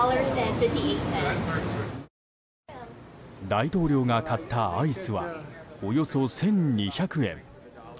大統領が買ったアイスはおよそ１２００円。